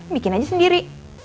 bikin aja sendiri